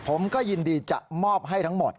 ผมก็ยินดีจะมอบให้ทั้งหมด